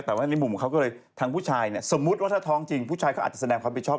แต่ว่าทางผู้ชายเนี่ยสมมุติว่าถ้าท้องจริงผู้ชายเขาอาจจะแสดงความผิดชอบ